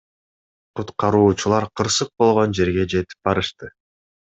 Куткаруучулар кырсык болгон жерге жетип барышты.